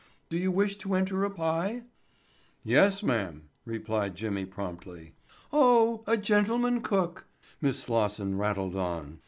Do you wish to enter a pie?" "Yes, m'am," replied Jimmy promptly. "Oh, a gentleman cook," Miss Slosson rattled on.